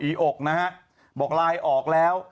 อีอกนะฮะบอกไลน์ออกแล้ว